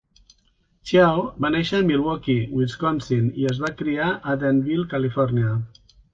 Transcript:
Chiao va néixer a Milwaukee, Wisconsin i es va criar a Danville, Califòrnia.